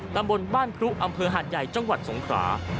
ตำบลบ้านพรุอำเภอหาดใหญ่จังหวัดสงขรา